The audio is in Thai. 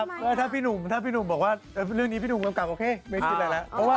ดอกนิวนี่หูเป็นครับพวกเรา